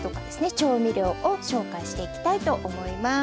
調味料を紹介していきたいと思います。